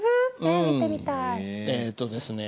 えっとですね